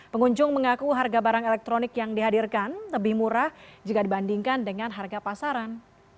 pengunjung mengaku harga barang elektronik yang dihadirkan lebih murah jika dibandingkan dengan harga pasaran